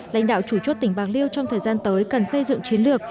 lãnh đạo chủ chốt tỉnh bạc liêu trong thời gian tới cần xây dựng chiến lược